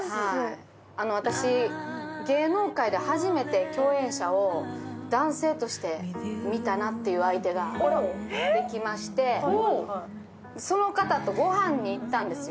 私、芸能界で初めて共演者を男性としてみたなという相手ができましてその方と御飯に行ったんですよ。